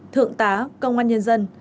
thượng tá công an nhân dân